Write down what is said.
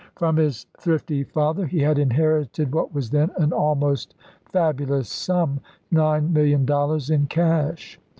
From his thrifty father he had inherited what was then an almost fabulous sum — nine million dollars in cash.